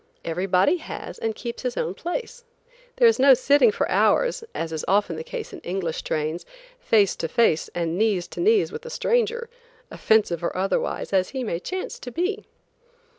Everybody has, and keeps his own place. There is no sitting for hours, as is often the case in English trains, face to face and knees to knees with a stranger, offensive or otherwise, as he may chance to be.